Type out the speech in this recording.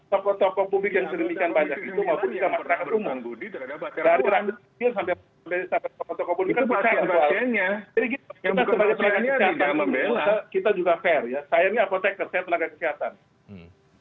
pak tokoh tokoh publik yang sedemikian banyak